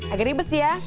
agak ribet sih ya